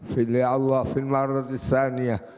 fil ya allah fil marrati saniyah